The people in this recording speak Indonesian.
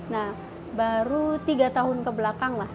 nah baru tiga tahun kebelakang lah